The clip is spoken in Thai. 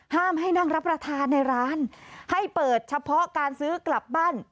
ห้ามให้นั่งรับประทานในร้านให้เปิดเฉพาะการซื้อกลับบ้าน